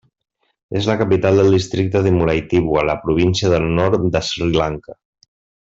És la capital del districte de Mullaitivu a la província del Nord de Sri Lanka.